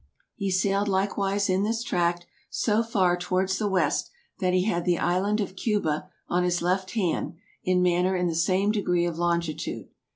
He sailed likewise in this tract so farre towards the West, that hee had the Island of Cuba on his left hand, in maner in the same degree of longitude.